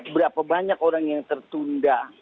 berapa banyak orang yang tertunda